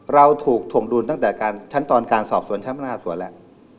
เราถูกถ่วงดุลตั้งแต่ขั้นตอนการสอบสวนชั้นพนักงานสวนแล้ว